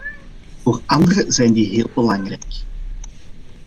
Voor anderen zijn die heel belangrijk.